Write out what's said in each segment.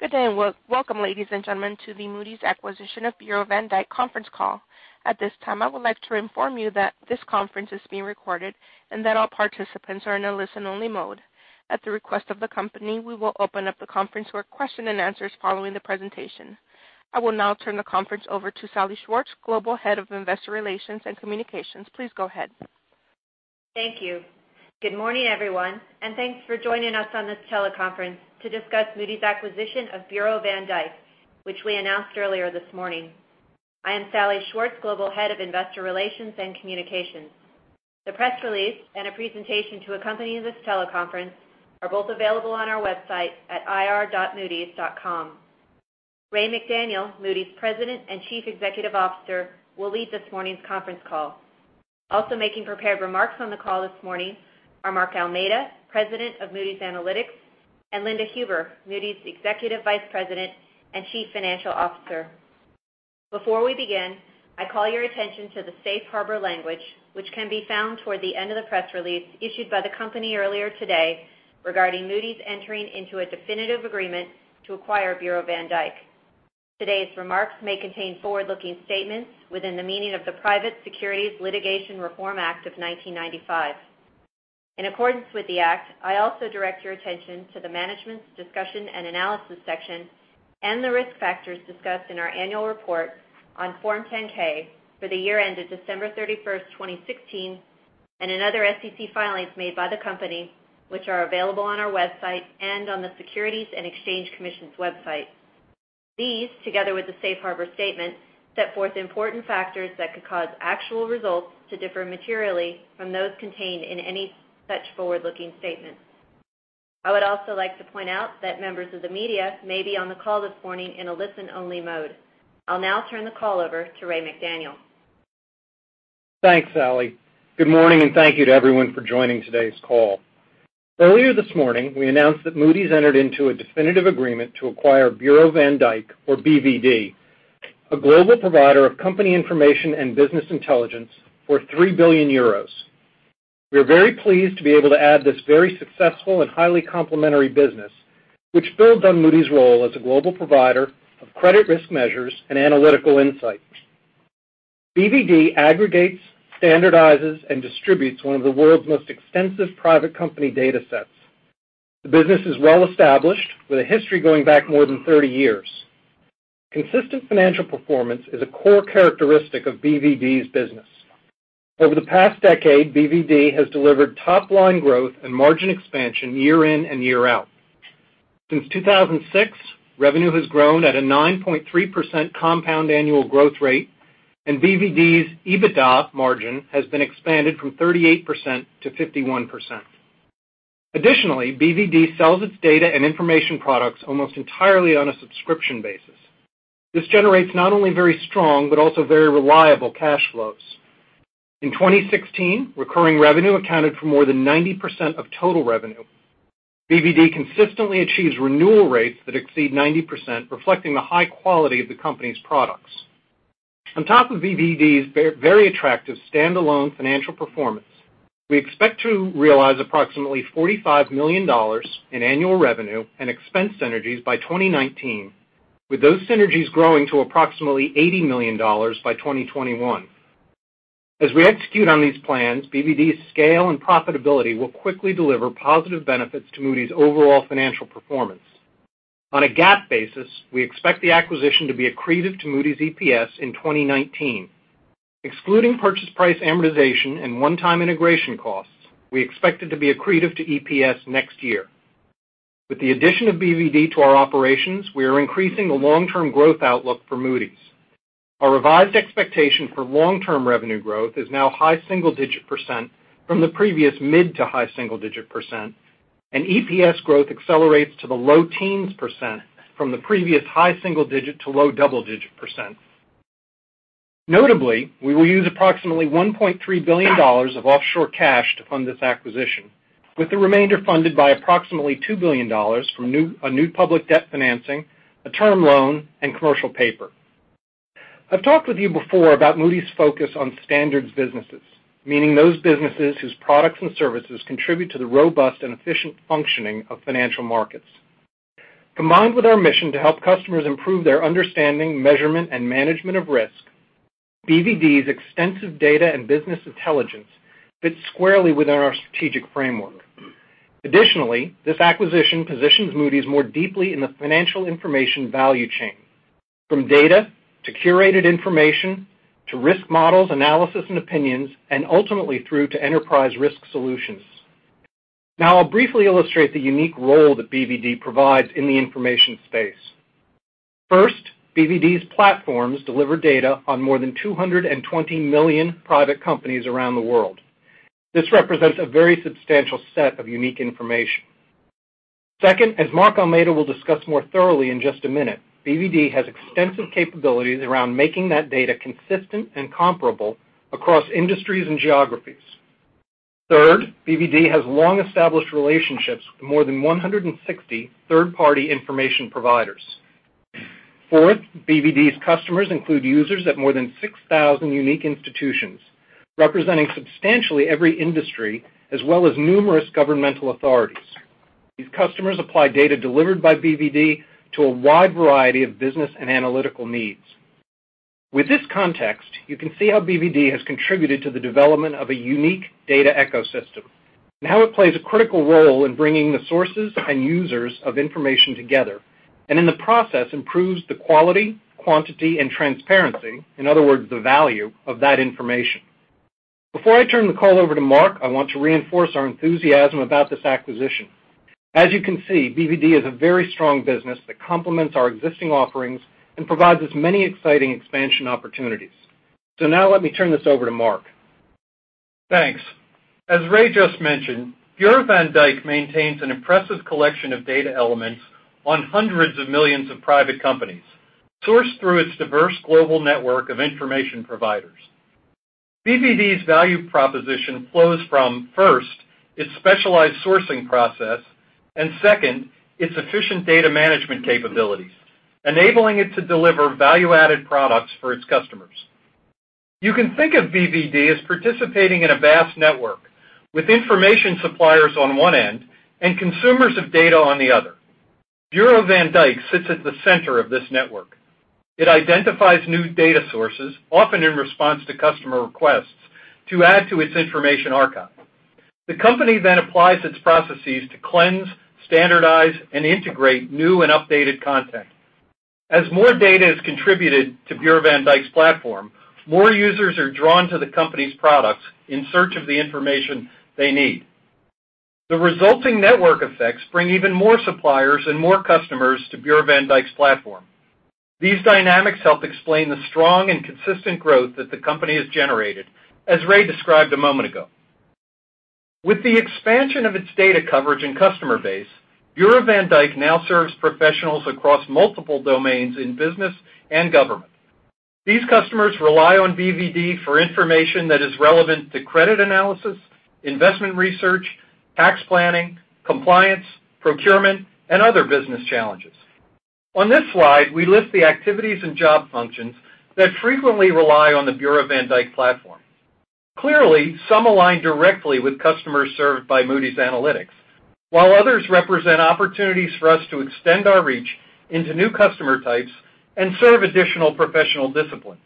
Good day. Welcome, ladies and gentlemen, to the Moody's acquisition of Bureau van Dijk conference call. At this time, I would like to inform you that this conference is being recorded and that all participants are in a listen-only mode. At the request of the company, we will open up the conference for question and answers following the presentation. I will now turn the conference over to Salli Schwartz, Global Head of Investor Relations and Communications. Please go ahead. Thank you. Good morning, everyone. Thanks for joining us on this teleconference to discuss Moody's acquisition of Bureau van Dijk, which we announced earlier this morning. I am Salli Schwartz, Global Head of Investor Relations and Communications. The press release and a presentation to accompany this teleconference are both available on our website at ir.moodys.com. Ray McDaniel, Moody's President and Chief Executive Officer, will lead this morning's conference call. Also making prepared remarks on the call this morning are Mark Almeida, President of Moody's Analytics, and Linda Huber, Moody's Executive Vice President and Chief Financial Officer. Before we begin, I call your attention to the safe harbor language, which can be found toward the end of the press release issued by the company earlier today regarding Moody's entering into a definitive agreement to acquire Bureau van Dijk. Today's remarks may contain forward-looking statements within the meaning of the Private Securities Litigation Reform Act of 1995. In accordance with the act, I also direct your attention to the management's discussion and analysis section and the risk factors discussed in our annual report on Form 10-K for the year ended December 31st, 2016, and in other SEC filings made by the company, which are available on our website and on the Securities and Exchange Commission's website. These, together with the safe harbor statement, set forth important factors that could cause actual results to differ materially from those contained in any such forward-looking statements. I would also like to point out that members of the media may be on the call this morning in a listen-only mode. I'll now turn the call over to Ray McDaniel. Thanks, Salli. Good morning. Thank you to everyone for joining today's call. Earlier this morning, we announced that Moody's entered into a definitive agreement to acquire Bureau van Dijk, or BvD, a global provider of company information and business intelligence for 3 billion euros. We are very pleased to be able to add this very successful and highly complementary business, which builds on Moody's role as a global provider of credit risk measures and analytical insights. BvD aggregates, standardizes, and distributes one of the world's most extensive private company data sets. The business is well established with a history going back more than 30 years. Consistent financial performance is a core characteristic of BvD's business. Over the past decade, BvD has delivered top-line growth and margin expansion year in and year out. Since 2006, revenue has grown at a 9.3% compound annual growth rate, and BvD's EBITDA margin has been expanded from 38% to 51%. Additionally, BvD sells its data and information products almost entirely on a subscription basis. This generates not only very strong, but also very reliable cash flows. In 2016, recurring revenue accounted for more than 90% of total revenue. BvD consistently achieves renewal rates that exceed 90%, reflecting the high quality of the company's products. On top of BvD's very attractive standalone financial performance, we expect to realize approximately $45 million in annual revenue and expense synergies by 2019, with those synergies growing to approximately $80 million by 2021. As we execute on these plans, BvD's scale and profitability will quickly deliver positive benefits to Moody's overall financial performance. On a GAAP basis, we expect the acquisition to be accretive to Moody's EPS in 2019. Excluding purchase price amortization and one-time integration costs, we expect it to be accretive to EPS next year. With the addition of BvD to our operations, we are increasing the long-term growth outlook for Moody's. Our revised expectation for long-term revenue growth is now high single-digit % from the previous mid to high single-digit %, and EPS growth accelerates to the low teens % from the previous high single-digit to low double-digit %. Notably, we will use approximately $1.3 billion of offshore cash to fund this acquisition, with the remainder funded by approximately $2 billion from a new public debt financing, a term loan, and commercial paper. I've talked with you before about Moody's focus on standards businesses, meaning those businesses whose products and services contribute to the robust and efficient functioning of financial markets. Combined with our mission to help customers improve their understanding, measurement, and management of risk, BvD's extensive data and business intelligence fits squarely within our strategic framework. Additionally, this acquisition positions Moody's more deeply in the financial information value chain, from data to curated information to risk models, analysis, and opinions, and ultimately through to enterprise risk solutions. Now I'll briefly illustrate the unique role that BvD provides in the information space. First, BvD's platforms deliver data on more than 220 million private companies around the world. This represents a very substantial set of unique information. Second, as Mark Almeida will discuss more thoroughly in just a minute, BvD has extensive capabilities around making that data consistent and comparable across industries and geographies. Third, BvD has long-established relationships with more than 160 third-party information providers. Fourth, BvD's customers include users at more than 6,000 unique institutions, representing substantially every industry as well as numerous governmental authorities. These customers apply data delivered by BvD to a wide variety of business and analytical needs. With this context, you can see how BvD has contributed to the development of a unique data ecosystem, and how it plays a critical role in bringing the sources and users of information together, and in the process, improves the quality, quantity, and transparency, in other words, the value of that information. Before I turn the call over to Mark, I want to reinforce our enthusiasm about this acquisition. As you can see, BvD is a very strong business that complements our existing offerings and provides us many exciting expansion opportunities. Now let me turn this over to Mark. Thanks. As Ray just mentioned, Bureau van Dijk maintains an impressive collection of data elements on hundreds of millions of private companies sourced through its diverse global network of information providers. BvD's value proposition flows from, first, its specialized sourcing process, and second, its efficient data management capabilities, enabling it to deliver value-added products for its customers. You can think of BvD as participating in a vast network with information suppliers on one end and consumers of data on the other. Bureau van Dijk sits at the center of this network. It identifies new data sources, often in response to customer requests, to add to its information archive. The company then applies its processes to cleanse, standardize, and integrate new and updated content. As more data is contributed to Bureau van Dijk's platform, more users are drawn to the company's products in search of the information they need. The resulting network effects bring even more suppliers and more customers to Bureau van Dijk's platform. These dynamics help explain the strong and consistent growth that the company has generated, as Ray described a moment ago. With the expansion of its data coverage and customer base, Bureau van Dijk now serves professionals across multiple domains in business and government. These customers rely on BvD for information that is relevant to credit analysis, investment research, tax planning, compliance, procurement, and other business challenges. On this slide, we list the activities and job functions that frequently rely on the Bureau van Dijk platform. Clearly, some align directly with customers served by Moody's Analytics, while others represent opportunities for us to extend our reach into new customer types and serve additional professional disciplines.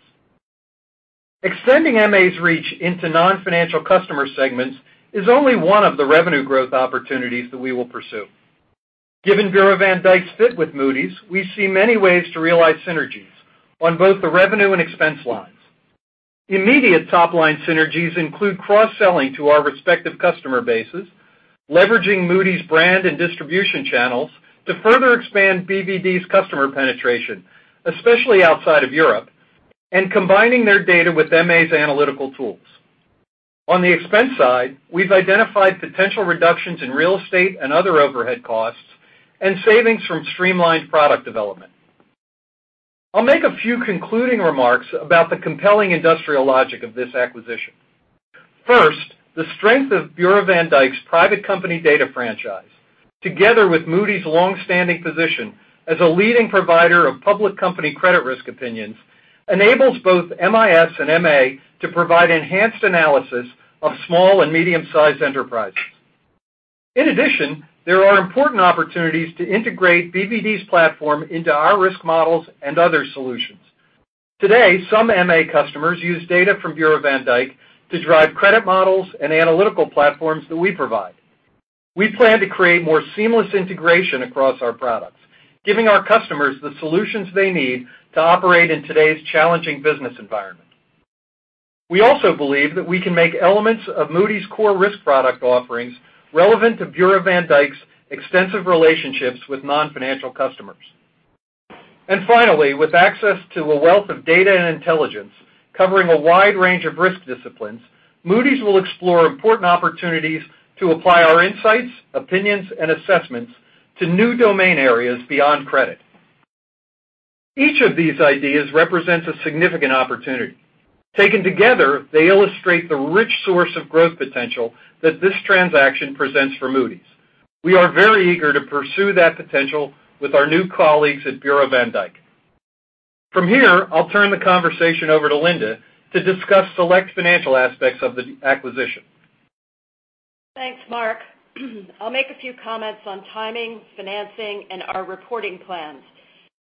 Extending MA's reach into non-financial customer segments is only one of the revenue growth opportunities that we will pursue. Given Bureau van Dijk's fit with Moody's, we see many ways to realize synergies on both the revenue and expense lines. Immediate top-line synergies include cross-selling to our respective customer bases, leveraging Moody's brand and distribution channels to further expand BvD's customer penetration, especially outside of Europe, and combining their data with MA's analytical tools. On the expense side, we've identified potential reductions in real estate and other overhead costs and savings from streamlined product development. I'll make a few concluding remarks about the compelling industrial logic of this acquisition. First, the strength of Bureau van Dijk's private company data franchise, together with Moody's longstanding position as a leading provider of public company credit risk opinions, enables both MIS and MA to provide enhanced analysis of small and medium-sized enterprises. In addition, there are important opportunities to integrate BvD's platform into our risk models and other solutions. Today, some MA customers use data from Bureau van Dijk to drive credit models and analytical platforms that we provide. We plan to create more seamless integration across our products, giving our customers the solutions they need to operate in today's challenging business environment. We also believe that we can make elements of Moody's core risk product offerings relevant to Bureau van Dijk's extensive relationships with non-financial customers. Finally, with access to a wealth of data and intelligence covering a wide range of risk disciplines, Moody's will explore important opportunities to apply our insights, opinions, and assessments to new domain areas beyond credit. Each of these ideas represents a significant opportunity. Taken together, they illustrate the rich source of growth potential that this transaction presents for Moody's. We are very eager to pursue that potential with our new colleagues at Bureau van Dijk. From here, I'll turn the conversation over to Linda to discuss select financial aspects of the acquisition. Thanks, Mark. I'll make a few comments on timing, financing, and our reporting plans.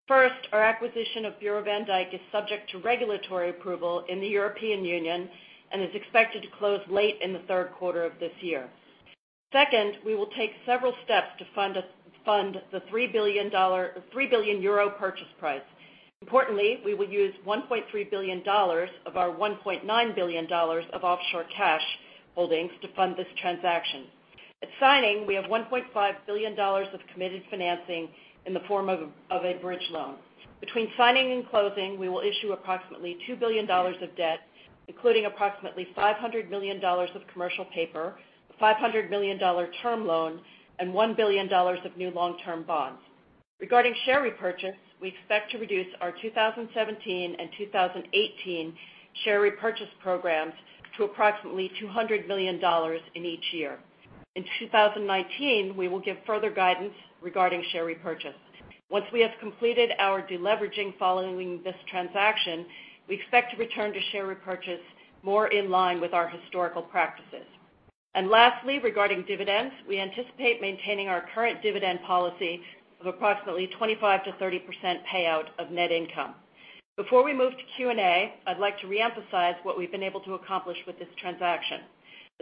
First, our acquisition of Bureau van Dijk is subject to regulatory approval in the European Union and is expected to close late in the third quarter of this year. Second, we will take several steps to fund the EUR 3 billion purchase price. Importantly, we will use $1.3 billion of our $1.9 billion of offshore cash holdings to fund this transaction. At signing, we have $1.5 billion of committed financing in the form of a bridge loan. Between signing and closing, we will issue approximately $2 billion of debt, including approximately $500 million of commercial paper, a $500 million term loan, and $1 billion of new long-term bonds. Regarding share repurchase, we expect to reduce our 2017 and 2018 share repurchase programs to approximately $200 million in each year. In 2019, we will give further guidance regarding share repurchase. Once we have completed our de-leveraging following this transaction, we expect to return to share repurchase more in line with our historical practices. Lastly, regarding dividends, we anticipate maintaining our current dividend policy of approximately 25%-30% payout of net income. Before we move to Q&A, I'd like to reemphasize what we've been able to accomplish with this transaction.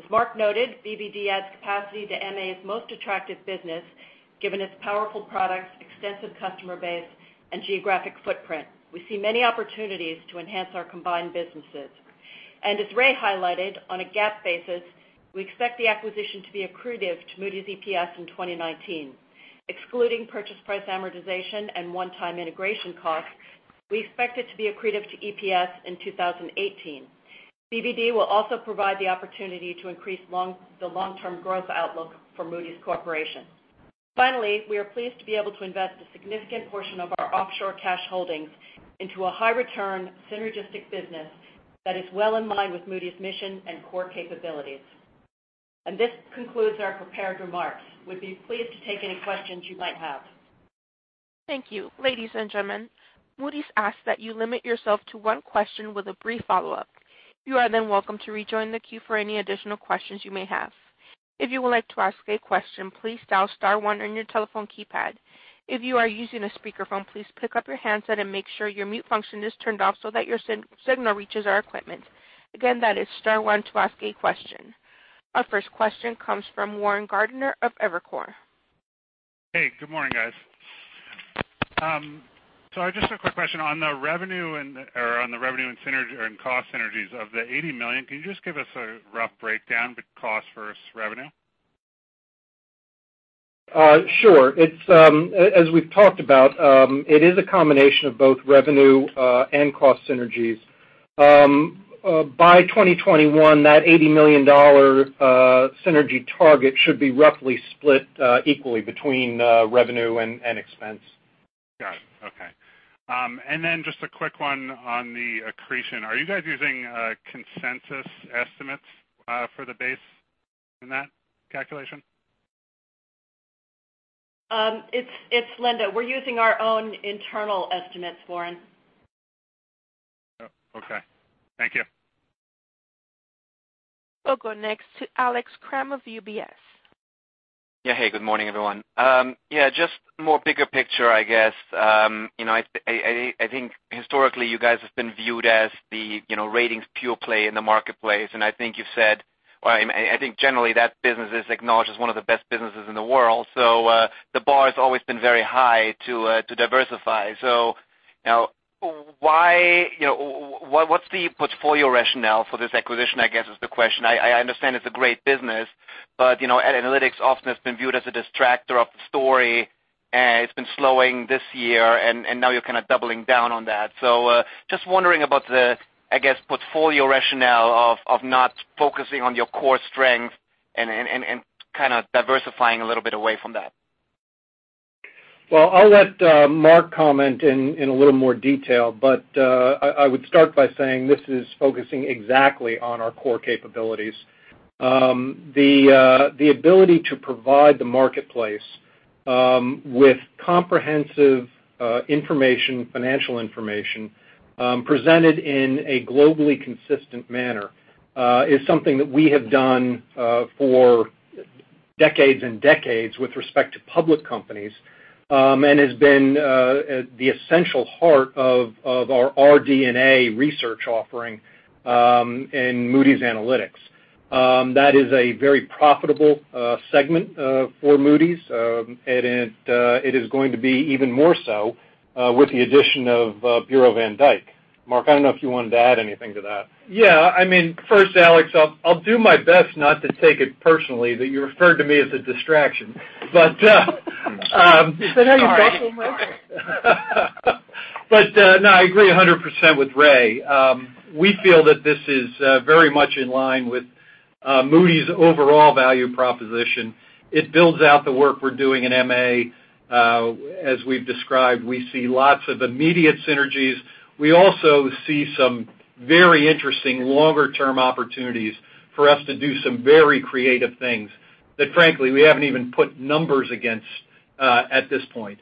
As Mark noted, BvD adds capacity to MA's most attractive business, given its powerful products, extensive customer base, and geographic footprint. We see many opportunities to enhance our combined businesses. As Ray highlighted, on a GAAP basis, we expect the acquisition to be accretive to Moody's EPS in 2019. Excluding purchase price amortization and one-time integration costs, we expect it to be accretive to EPS in 2018. BvD will also provide the opportunity to increase the long-term growth outlook for Moody's Corporation. Finally, we are pleased to be able to invest a significant portion of our offshore cash holdings into a high-return, synergistic business that is well in line with Moody's mission and core capabilities. This concludes our prepared remarks. We'd be pleased to take any questions you might have. Thank you. Ladies and gentlemen, Moody's asks that you limit yourself to one question with a brief follow-up. You are then welcome to rejoin the queue for any additional questions you may have. If you would like to ask a question, please dial star one on your telephone keypad. If you are using a speakerphone, please pick up your handset and make sure your mute function is turned off so that your signal reaches our equipment. Again, that is star one to ask a question. Our first question comes from Warren Gardiner of Evercore. Hey, good morning, guys. Just a quick question on the revenue and cost synergies of the $80 million. Can you just give us a rough breakdown, the cost versus revenue? Sure. As we've talked about, it is a combination of both revenue and cost synergies. By 2021, that $80 million synergy target should be roughly split equally between revenue and expense. Got it. Okay. Just a quick one on the accretion. Are you guys using consensus estimates for the base in that calculation? It's Linda. We're using our own internal estimates, Warren. Oh, okay. Thank you. We'll go next to Alex Kramm of UBS. Hey, good morning, everyone. Just more bigger picture, I guess. I think historically, you guys have been viewed as the ratings pure play in the marketplace, and I think you've said, or I think generally that business is acknowledged as one of the best businesses in the world. The bar has always been very high to diversify. Now, what's the portfolio rationale for this acquisition, I guess is the question. I understand it's a great business, but analytics often has been viewed as a distractor of the story, and it's been slowing this year, and now you're kind of doubling down on that. Just wondering about the, I guess, portfolio rationale of not focusing on your core strength and kind of diversifying a little bit away from that. Well, I'll let Mark comment in a little more detail, but I would start by saying this is focusing exactly on our core capabilities. The ability to provide the marketplace with comprehensive financial information presented in a globally consistent manner is something that we have done for decades and decades with respect to public companies and has been the essential heart of our RD&A research offering in Moody's Analytics. That is a very profitable segment for Moody's, and it is going to be even more so with the addition of Bureau van Dijk. Mark, I don't know if you wanted to add anything to that. First, Alex, I'll do my best not to take it personally that you referred to me as a distraction. Is that how you got here, Mark? I agree 100% with Ray. We feel that this is very much in line with Moody's overall value proposition. It builds out the work we're doing in MA. As we've described, we see lots of immediate synergies. We also see some very interesting longer-term opportunities for us to do some very creative things that frankly, we haven't even put numbers against at this point.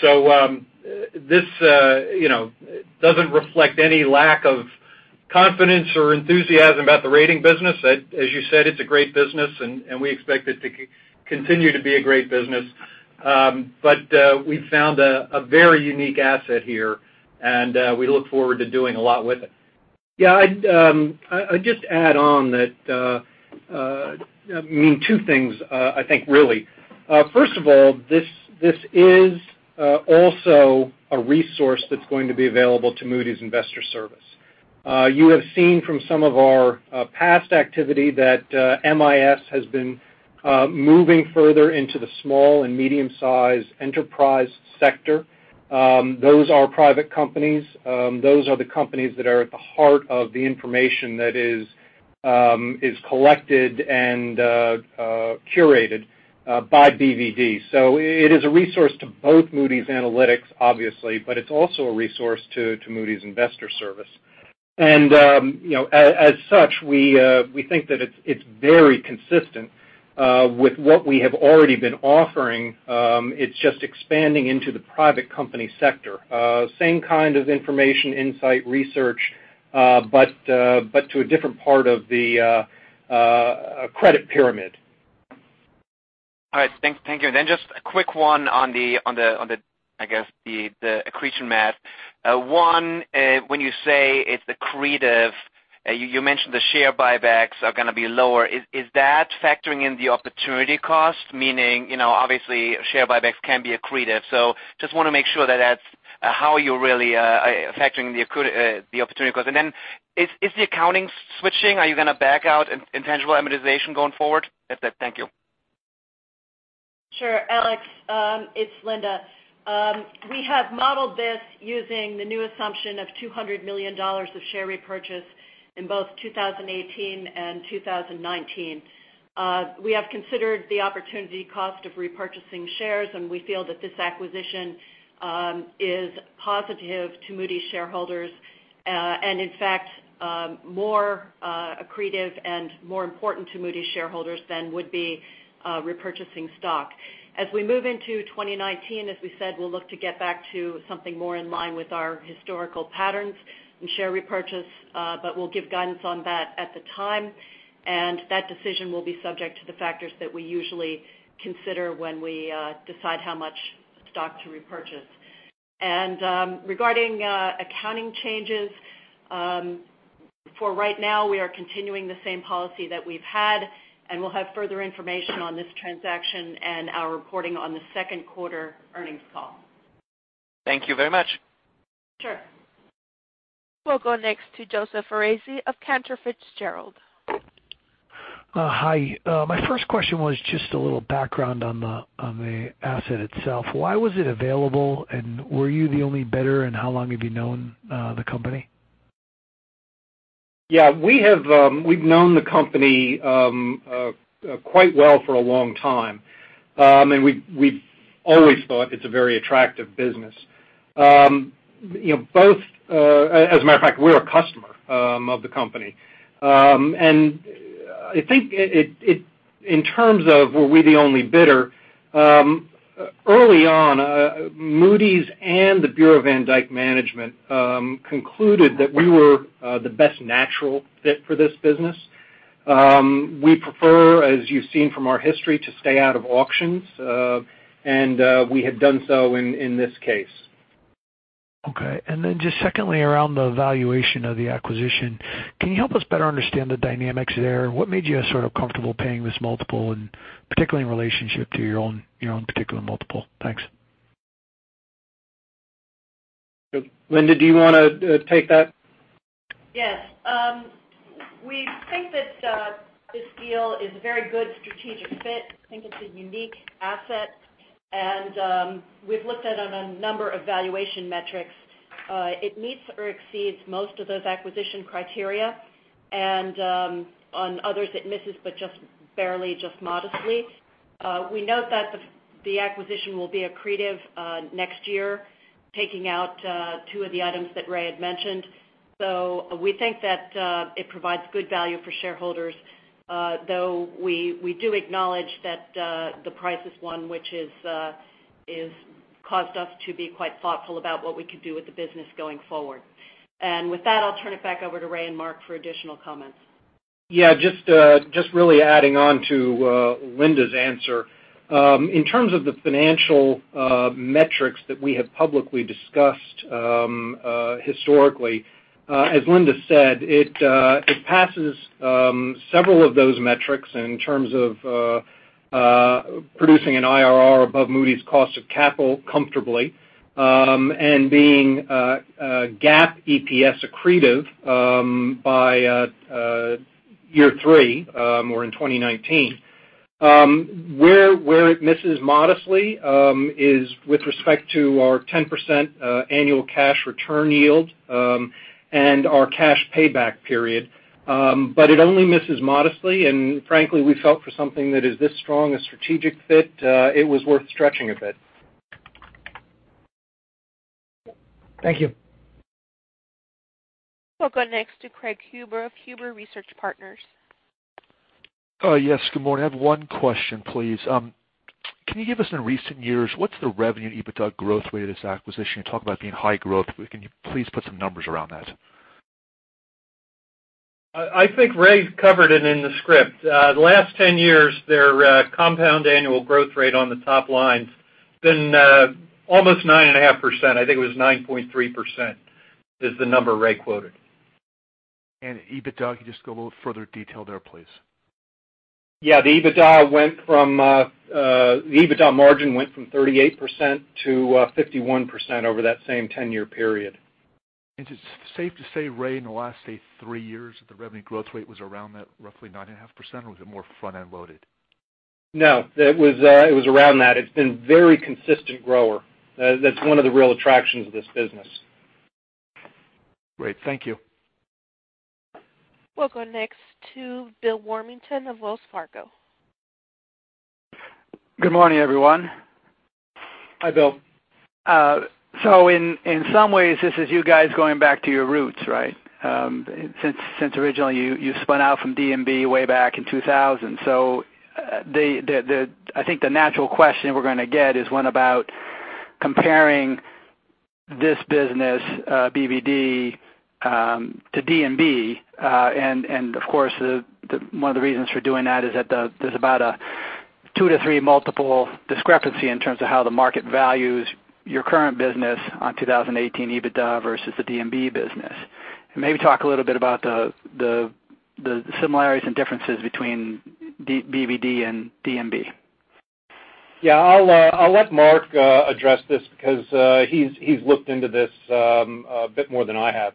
This doesn't reflect any lack of confidence or enthusiasm about the rating business. As you said, it's a great business, and we expect it to continue to be a great business. We found a very unique asset here, and we look forward to doing a lot with it. Yeah. I'd just add on two things, I think, really. First of all, this is also a resource that's going to be available to Moody's Investors Service. You have seen from some of our past activity that MIS has been moving further into the small and medium-sized enterprise sector. Those are private companies. Those are the companies that are at the heart of the information that is collected and curated by BvD. It is a resource to both Moody's Analytics, obviously, but it's also a resource to Moody's Investors Service. As such, we think that it's very consistent with what we have already been offering. It's just expanding into the private company sector. Same kind of information, insight, research, but to a different part of the credit pyramid. All right. Thank you. Then just a quick one on the, I guess, the accretion math. One, when you say it's accretive, you mentioned the share buybacks are going to be lower. Is that factoring in the opportunity cost? Meaning, obviously share buybacks can be accretive. Just want to make sure that that's how you're really factoring the opportunity cost. Then is the accounting switching, are you going to back out intangible amortization going forward? That's it. Thank you. Sure, Alex, it's Linda. We have modeled this using the new assumption of $200 million of share repurchase in both 2018 and 2019. We have considered the opportunity cost of repurchasing shares, we feel that this acquisition is positive to Moody's shareholders, in fact, more accretive and more important to Moody's shareholders than would be repurchasing stock. As we move into 2019, as we said, we'll look to get back to something more in line with our historical patterns in share repurchase. We'll give guidance on that at the time, and that decision will be subject to the factors that we usually consider when we decide how much stock to repurchase. Regarding accounting changes, for right now, we are continuing the same policy that we've had, and we'll have further information on this transaction and our reporting on the second quarter earnings call. Thank you very much. Sure. We'll go next to Joseph Verrasi of Cantor Fitzgerald. Hi. My first question was just a little background on the asset itself. Why was it available, and were you the only bidder, and how long have you known the company? Yeah. We've known the company quite well for a long time. We've always thought it's a very attractive business. As a matter of fact, we're a customer of the company. I think in terms of were we the only bidder, early on Moody's and the Bureau van Dijk management concluded that we were the best natural fit for this business. We prefer, as you've seen from our history, to stay out of auctions, and we have done so in this case. Okay, just secondly, around the valuation of the acquisition, can you help us better understand the dynamics there? What made you sort of comfortable paying this multiple, particularly in relationship to your own particular multiple? Thanks. Linda, do you want to take that? Yes. We think that this deal is a very good strategic fit. I think it's a unique asset. We've looked at it on a number of valuation metrics. It meets or exceeds most of those acquisition criteria, on others, it misses, just barely, just modestly. We note that the acquisition will be accretive next year, taking out two of the items that Ray had mentioned. We think that it provides good value for shareholders, though we do acknowledge that the price is one which has caused us to be quite thoughtful about what we could do with the business going forward. With that, I'll turn it back over to Ray and Mark for additional comments. Yeah, just really adding on to Linda's answer. In terms of the financial metrics that we have publicly discussed historically, as Linda said, it passes several of those metrics in terms of producing an IRR above Moody's cost of capital comfortably, being GAAP EPS accretive by year three or in 2019. Where it misses modestly is with respect to our 10% annual cash return yield and our cash payback period. It only misses modestly, frankly, we felt for something that is this strong a strategic fit, it was worth stretching a bit. Thank you. We'll go next to Craig Huber of Huber Research Partners. Yes, good morning. I have one question, please. Can you give us in recent years, what's the revenue EBITDA growth rate of this acquisition? You talk about being high growth. Can you please put some numbers around that? I think Ray covered it in the script. The last 10 years, their compound annual growth rate on the top line has been almost 9.5%. I think it was 9.3%, is the number Ray quoted. EBITDA, could you just go a little further detail there, please? Yeah. The EBITDA margin went from 38% to 51% over that same 10-year period. Is it safe to say, Ray, in the last, say, three years that the revenue growth rate was around that roughly 9.5%, or was it more front-end loaded? No, it was around that. It's been a very consistent grower. That's one of the real attractions of this business. Great. Thank you. We'll go next to Bill Warmington of Wells Fargo. Good morning, everyone. Hi, Bill. In some ways, this is you guys going back to your roots, right? Since originally you spun out from D&B way back in 2000. I think the natural question we're going to get is one about comparing this business, BvD, to D&B. Of course, one of the reasons for doing that is that there's about a two to three multiple discrepancy in terms of how the market values your current business on 2018 EBITDA versus the D&B business. Maybe talk a little bit about the similarities and differences between BvD and D&B. I'll let Mark address this because he's looked into this a bit more than I have.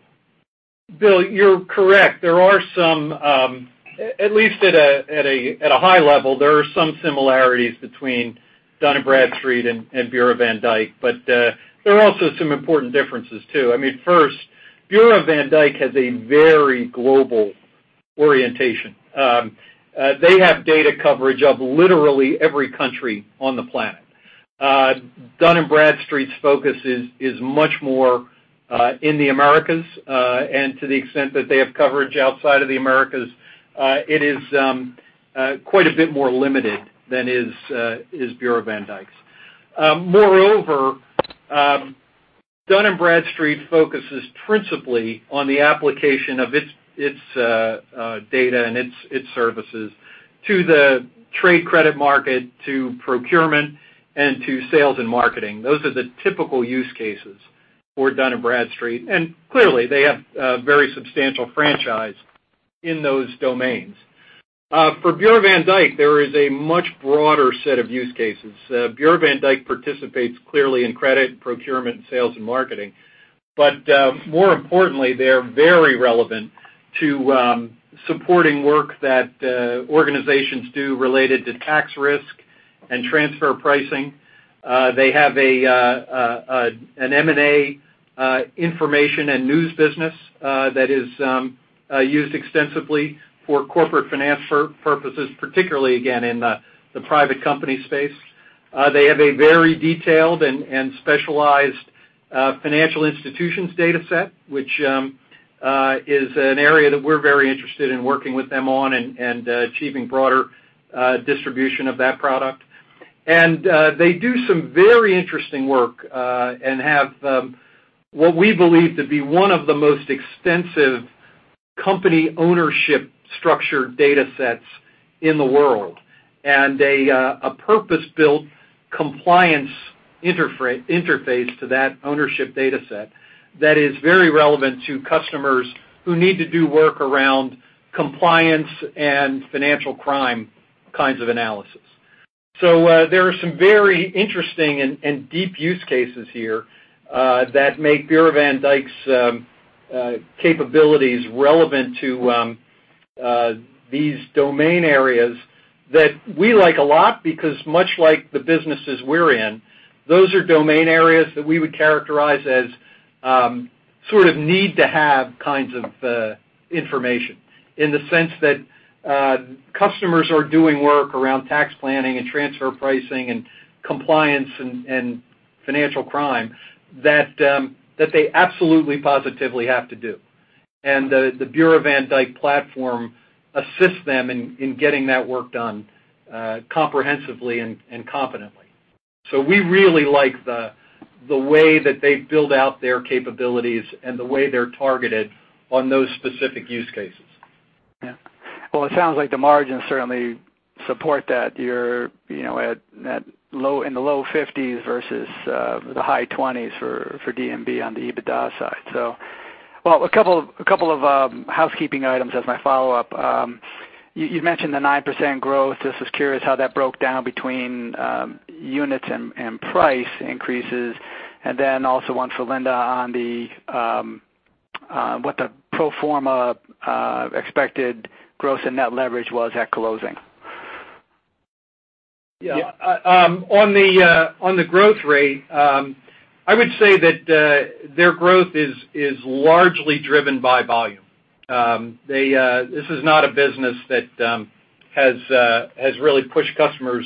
Bill, you're correct. At least at a high level, there are some similarities between Dun & Bradstreet and Bureau van Dijk, but there are also some important differences too. First, Bureau van Dijk has a very global orientation. They have data coverage of literally every country on the planet. Dun & Bradstreet's focus is much more in the Americas, and to the extent that they have coverage outside of the Americas, it is quite a bit more limited than is Bureau van Dijk's. Moreover, Dun & Bradstreet focuses principally on the application of its data and its services to the trade credit market, to procurement, and to sales and marketing. Those are the typical use cases for Dun & Bradstreet, and clearly, they have a very substantial franchise in those domains. For Bureau van Dijk, there is a much broader set of use cases. Bureau van Dijk participates clearly in credit, procurement, sales, and marketing. More importantly, they're very relevant to supporting work that organizations do related to tax risk and transfer pricing. They have an M&A information and news business that is used extensively for corporate finance purposes, particularly again in the private company space. They have a very detailed and specialized financial institutions data set, which is an area that we're very interested in working with them on and achieving broader distribution of that product. They do some very interesting work and have what we believe to be one of the most extensive company ownership structure data sets in the world, and a purpose-built compliance interface to that ownership data set that is very relevant to customers who need to do work around compliance and financial crime kinds of analysis. There are some very interesting and deep use cases here that make Bureau van Dijk's capabilities relevant to these domain areas that we like a lot because much like the businesses we're in, those are domain areas that we would characterize as sort of need-to-have kinds of information, in the sense that customers are doing work around tax planning and transfer pricing and compliance and financial crime that they absolutely, positively have to do. The Bureau van Dijk platform assists them in getting that work done comprehensively and competently. We really like the way that they build out their capabilities and the way they're targeted on those specific use cases. It sounds like the margins certainly support that. You're in the low 50s% versus the high 20s% for D&B on the EBITDA side. A couple of housekeeping items as my follow-up. You mentioned the 9% growth. Just was curious how that broke down between units and price increases. Also one for Linda on what the pro forma expected gross and net leverage was at closing. On the growth rate, I would say that their growth is largely driven by volume. This is not a business that has really pushed customers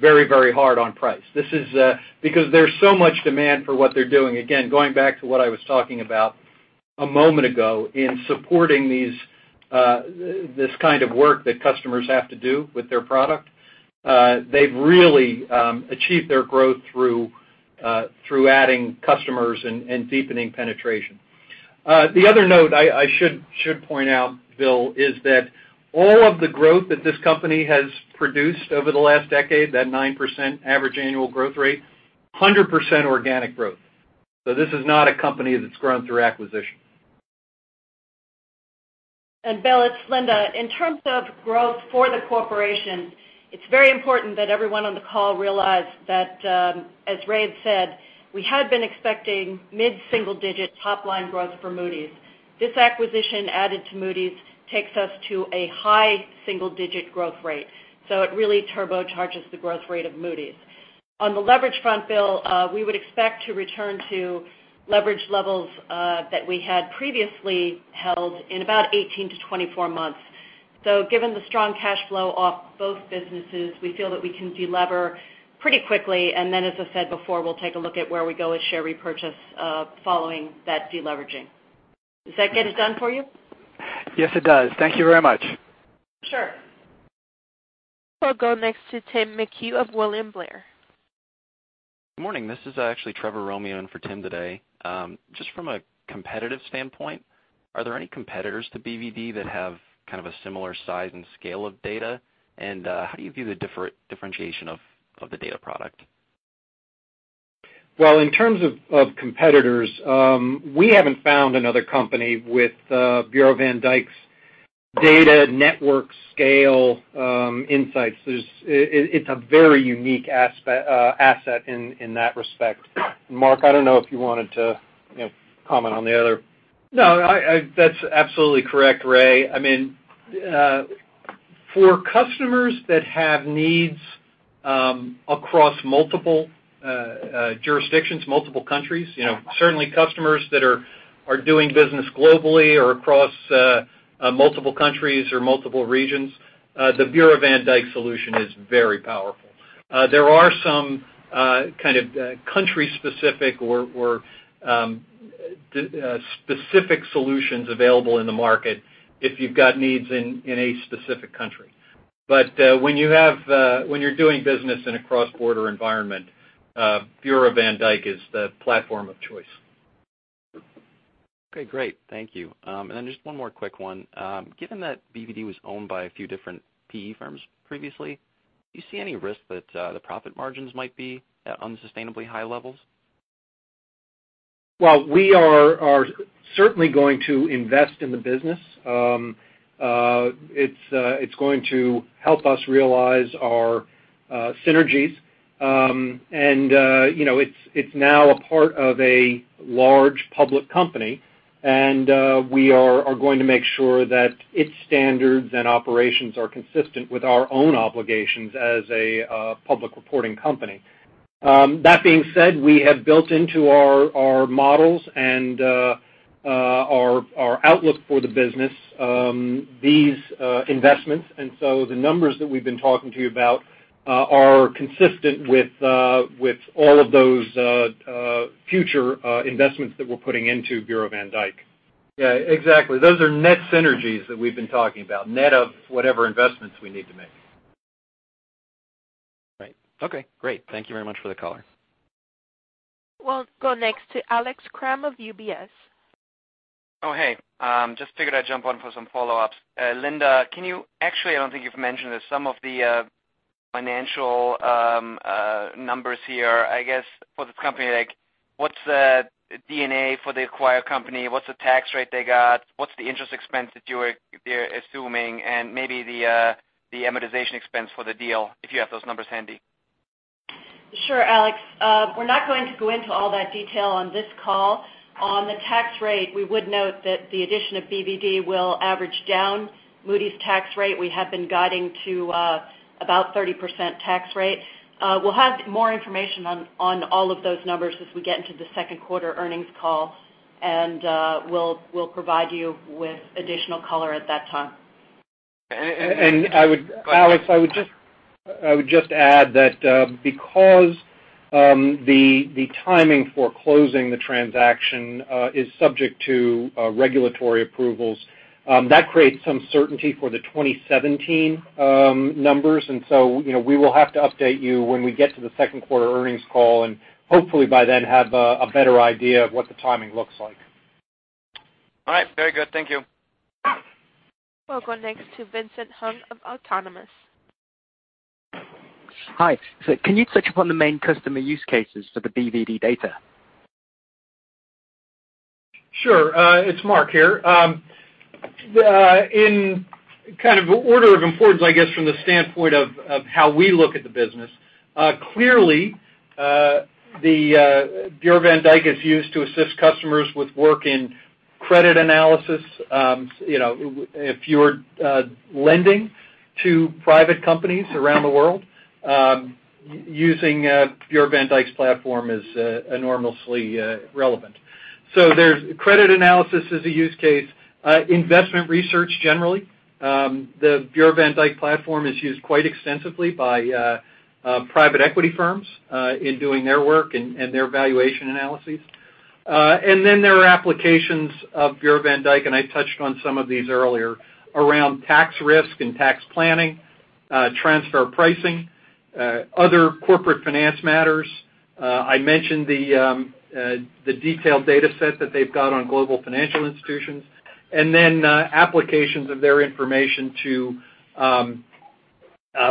very hard on price. Because there's so much demand for what they're doing, again, going back to what I was talking about a moment ago in supporting this kind of work that customers have to do with their product, they've really achieved their growth through adding customers and deepening penetration. The other note I should point out, Bill, is that all of the growth that this company has produced over the last decade, that 9% average annual growth rate, 100% organic growth. This is not a company that's grown through acquisition. Bill, it's Linda. In terms of growth for the corporation, it's very important that everyone on the call realize that, as Ray had said, we had been expecting mid-single-digit top-line growth for Moody's. This acquisition added to Moody's takes us to a high single-digit growth rate. It really turbocharges the growth rate of Moody's. On the leverage front, Bill, we would expect to return to leverage levels that we had previously held in about 18 to 24 months. Given the strong cash flow of both businesses, we feel that we can de-lever pretty quickly, and then as I said before, we'll take a look at where we go with share repurchase following that de-leveraging. Does that get it done for you? Yes, it does. Thank you very much. Sure. We'll go next to Tim McHugh of William Blair. Good morning. This is actually Trevor Romeo in for Tim today. Just from a competitive standpoint, are there any competitors to BvD that have kind of a similar size and scale of data? How do you view the differentiation of the data product? Well, in terms of competitors, we haven't found another company with Bureau van Dijk's data network scale insights. It's a very unique asset in that respect. Mark, I don't know if you wanted to comment on the other. No, that's absolutely correct, Ray. For customers that have needs across multiple jurisdictions, multiple countries, certainly customers that are doing business globally or across multiple countries or multiple regions, the Bureau van Dijk solution is very powerful. There are some kind of country-specific or specific solutions available in the market if you've got needs in a specific country. When you're doing business in a cross-border environment, Bureau van Dijk is the platform of choice. Okay, great. Thank you. Just one more quick one. Given that BvD was owned by a few different PE firms previously, do you see any risk that the profit margins might be at unsustainably high levels? Well, we are certainly going to invest in the business. It's going to help us realize our synergies. It's now a part of a large public company, we are going to make sure that its standards and operations are consistent with our own obligations as a public reporting company. That being said, we have built into our models and our outlook for the business these investments, so the numbers that we've been talking to you about are consistent with all of those future investments that we're putting into Bureau van Dijk. Yeah, exactly. Those are net synergies that we've been talking about, net of whatever investments we need to make. Right. Okay, great. Thank you very much for the color. We'll go next to Alex Kramm of UBS. Oh, hey. Just figured I'd jump on for some follow-ups. Linda, actually, I don't think you've mentioned this, some of the financial numbers here, I guess, for the company. What's the D&A for the acquired company? What's the tax rate they got? What's the interest expense that you're assuming? Maybe the amortization expense for the deal, if you have those numbers handy. Sure, Alex. We're not going to go into all that detail on this call. On the tax rate, we would note that the addition of BvD will average down Moody's tax rate. We have been guiding to about 30% tax rate. We'll have more information on all of those numbers as we get into the second quarter earnings call. We'll provide you with additional color at that time. Alex, I would just add that because the timing for closing the transaction is subject to regulatory approvals, that creates some certainty for the 2017 numbers. We will have to update you when we get to the second quarter earnings call. Hopefully by then have a better idea of what the timing looks like. All right, very good. Thank you. We'll go next to Vincent Hung of Autonomous. Hi. Can you touch upon the main customer use cases for the BvD data? Sure. It's Mark here. In kind of order of importance, I guess, from the standpoint of how we look at the business, clearly, the Bureau van Dijk is used to assist customers with work in credit analysis. If you're lending to private companies around the world, using Bureau van Dijk's platform is enormously relevant. There's credit analysis as a use case. Investment research generally. The Bureau van Dijk platform is used quite extensively by private equity firms in doing their work and their valuation analyses. There are applications of Bureau van Dijk, and I touched on some of these earlier, around tax risk and tax planning, transfer pricing, other corporate finance matters. I mentioned the detailed dataset that they've got on global financial institutions, applications of their information to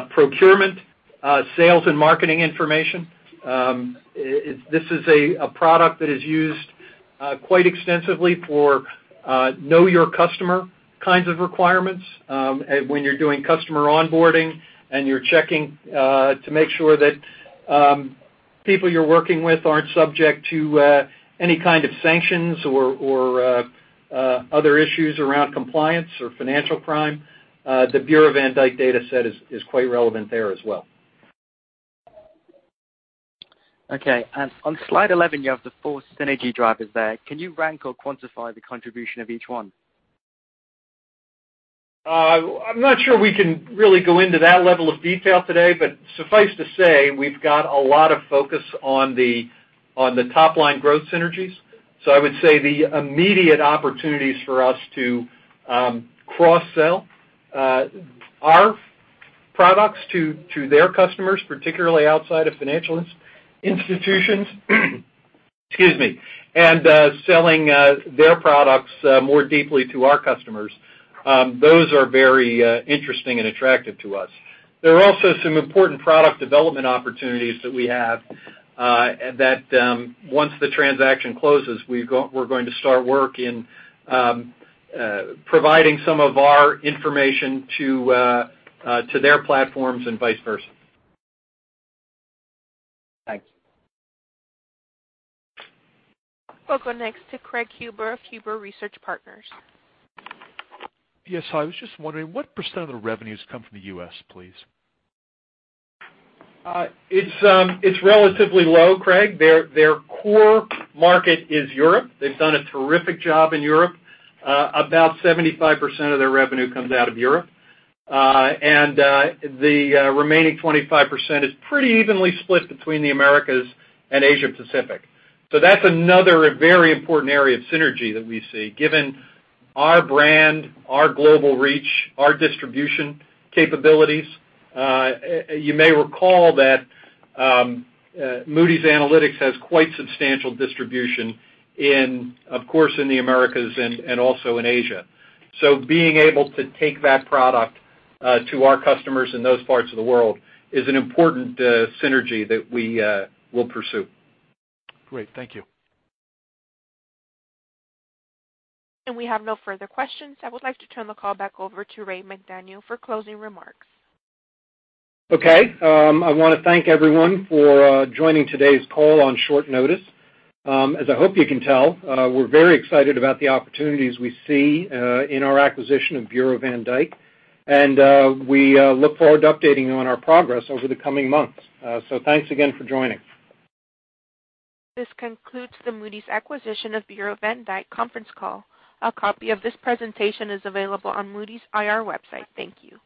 procurement, sales, and marketing information. This is a product that is used Quite extensively for know your customer kinds of requirements, when you're doing customer onboarding and you're checking to make sure that people you're working with aren't subject to any kind of sanctions or other issues around compliance or financial crime. The Bureau van Dijk data set is quite relevant there as well. Okay. On slide 11, you have the four synergy drivers there. Can you rank or quantify the contribution of each one? I'm not sure we can really go into that level of detail today, suffice to say, we've got a lot of focus on the top line growth synergies. I would say the immediate opportunities for us to cross-sell our products to their customers, particularly outside of financial institutions, excuse me, and selling their products more deeply to our customers. Those are very interesting and attractive to us. There are also some important product development opportunities that we have, that once the transaction closes, we're going to start work in providing some of our information to their platforms and vice versa. Thank you. We'll go next to Craig Huber of Huber Research Partners. Yes, I was just wondering what % of the revenues come from the U.S., please? It's relatively low, Craig. Their core market is Europe. They've done a terrific job in Europe. About 75% of their revenue comes out of Europe. The remaining 25% is pretty evenly split between the Americas and Asia Pacific. That's another very important area of synergy that we see, given our brand, our global reach, our distribution capabilities. You may recall that Moody's Analytics has quite substantial distribution, of course, in the Americas and also in Asia. Being able to take that product to our customers in those parts of the world is an important synergy that we will pursue. Great. Thank you. We have no further questions. I would like to turn the call back over to Ray McDaniel for closing remarks. Okay. I want to thank everyone for joining today's call on short notice. As I hope you can tell, we're very excited about the opportunities we see in our acquisition of Bureau van Dijk, and we look forward to updating you on our progress over the coming months. Thanks again for joining. This concludes the Moody's acquisition of Bureau van Dijk conference call. A copy of this presentation is available on Moody's IR website. Thank you.